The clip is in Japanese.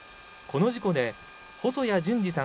この事故で細谷純司さん